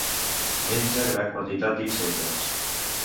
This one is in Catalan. Menja gran quantitat d'insectes.